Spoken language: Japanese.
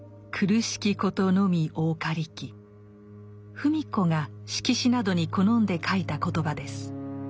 芙美子が色紙などに好んで書いた言葉です。